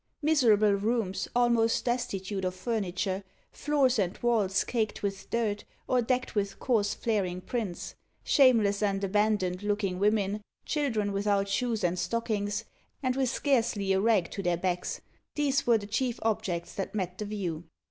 Miserable rooms, almost destitute of furniture; floors and walls caked with dirt, or decked with coarse flaring prints; shameless and abandoned looking women; children without shoes and stockings, and with scarcely a rag to their backs: these were the chief objects that met the view.